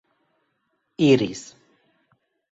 iris